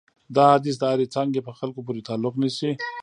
دا حدیث د هرې څانګې په خلکو پورې تعلق نیسي.